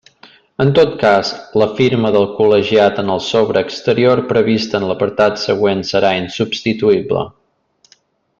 En tot cas, la firma del col·legiat en el sobre exterior prevista en l'apartat següent serà insubstituïble.